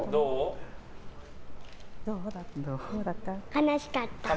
悲しかった。